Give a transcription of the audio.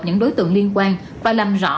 những đối tượng liên quan và làm rõ